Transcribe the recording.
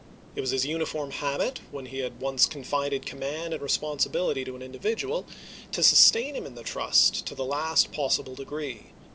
It was his uniform habit, when he had once confided command and responsibility to an individual, to sustain him in the trust to the last possible degree.